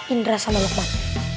indra sama lokman